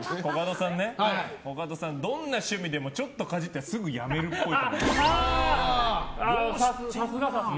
コカドさん、どんな趣味でもちょっとかじってはすぐやめるっぽい。